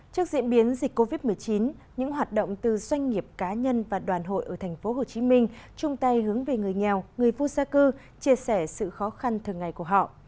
trước diễn biến dịch covid một mươi chín những hoạt động từ doanh nghiệp cá nhân và đoàn hội ở tp hcm chung tay hướng về người nghèo người vô gia cư chia sẻ sự khó khăn thường ngày của họ